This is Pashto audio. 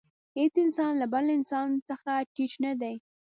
هېڅ انسان له بل انسان څخه ټیټ نه دی.